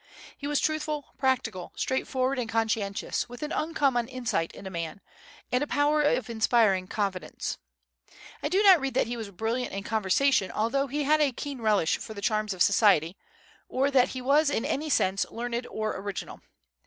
He was truthful, practical, straight forward, and conscientious, with an uncommon insight into men, and a power of inspiring confidence. I do not read that he was brilliant in conversation, although he had a keen relish for the charms of society, or that he was in any sense learned or original.